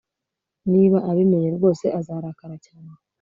Niba abimenye rwose azarakara cyane